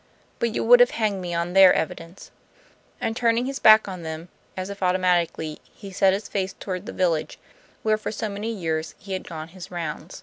"But you would have hanged me on their evidence." And, turning his back on them, as if automatically, he set his face toward the village, where for so many years he had gone his round.